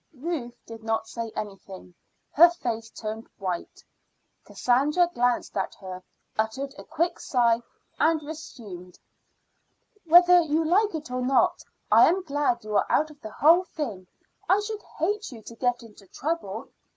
Ruth did not say anything. Her face turned white. Cassandra glanced at her, uttered a quick sigh, and resumed: "Whether you like it or not, I am glad you are out of the whole thing. I should hate you to get into trouble.